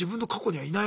はい。